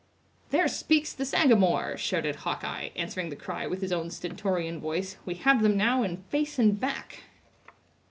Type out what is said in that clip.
"There speaks the Sagamore!" shouted Hawkeye, answering the cry with his own stentorian voice; "we have them now in face and back!"